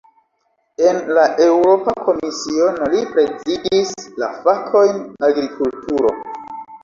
En la Eŭropa Komisiono, li prezidis la fakojn "agrikulturo".